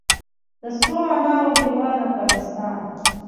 د سرو انارو هیواد افغانستان.